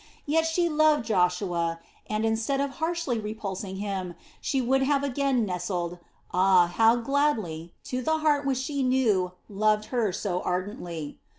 Yet she loved Joshua and, instead of harshly repulsing him, she would have again nestled ah, how gladly, to the heart which she knew loved her so ardently.